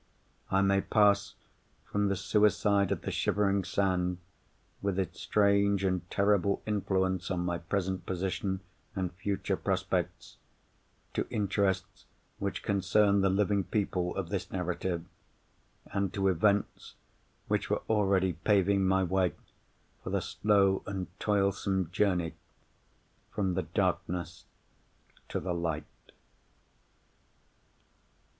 I may pass from the suicide at the Shivering Sand, with its strange and terrible influence on my present position and future prospects, to interests which concern the living people of this narrative, and to events which were already paving my way for the slow and toilsome journey from the darkness to the light.